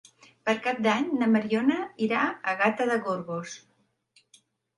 Per Cap d'Any na Mariona irà a Gata de Gorgos.